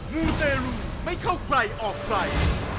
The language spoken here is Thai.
มูเตรลูไม่เข้าใครออกใคร